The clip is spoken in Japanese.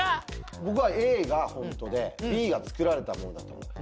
僕はＡがほんとでＢが作られたものだと思ってます。